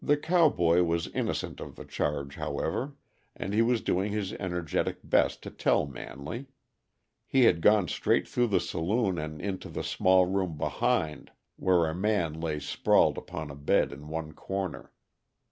The cowboy was innocent of the charge, however, and he was doing his energetic best to tell Manley. He had gone straight through the saloon and into the small room behind, where a man lay sprawled upon a bed in one corner.